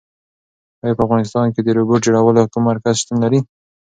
ایا په افغانستان کې د روبوټ جوړولو کوم مرکز شتون لري؟